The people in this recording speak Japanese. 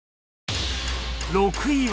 ６位は